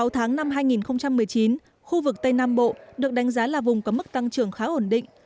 sáu tháng năm hai nghìn một mươi chín khu vực tây nam bộ được đánh giá là vùng có mức tăng trưởng khá ổn định